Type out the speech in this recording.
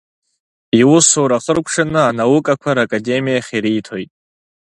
Иусура хыркәшаны анаукақәа Ракадемиахь ириҭоит.